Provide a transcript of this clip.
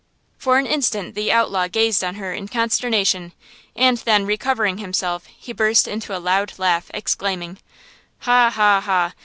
For an instant the outlaw gazed on her in consternation, and then, recovering himself he burst into a loud laugh, exclaiming: "Ha, ha, ha!